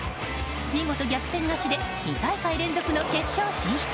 見事、逆転勝ちで２大会連続の決勝進出。